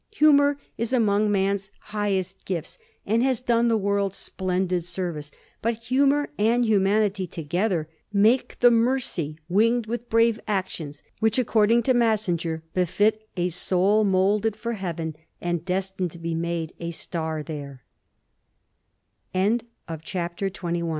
Humor is among man's highest gifts, and has done the world splendid service; but hu mor and humanity together make the mercy winged with brave actions, which, according to Massinger, befit '^a soul moulded for heaven" and destined to b